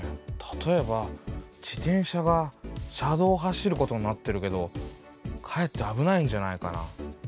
例えば自転車が車道を走ることになってるけどかえって危ないんじゃないかな。